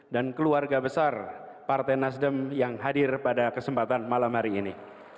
dan keluarga besar partai nasdem yang hadir pada kesempatan malam hari ini